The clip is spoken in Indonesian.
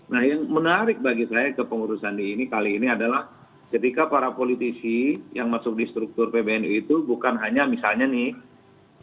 nah yang menarik bagi saya kepengurusan ini kali ini adalah ketika para politisi yang masuk di struktur pbnu itu bukan hanya misalnya nih